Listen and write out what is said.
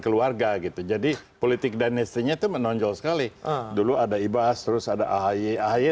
keluarga gitu jadi politik danistrinya itu menonjol sekali dulu ada ibas terus ada ahaye